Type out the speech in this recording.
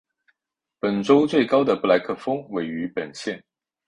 本州最高的布莱克峰位于本县。